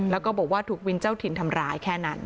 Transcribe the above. แล้วก็บอกว่าถูกวินเจ้าถิ่นทำร้ายแค่นั้น